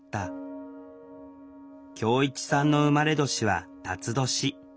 恭一さんの生まれ年は辰年。